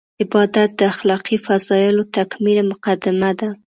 عبادت د اخلاقي فضایلو تکمیل مقدمه ده.